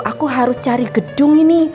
aku harus cari gedung ini